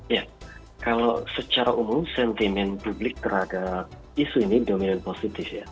ya kalau secara umum sentimen publik terhadap isu ini dominan positif ya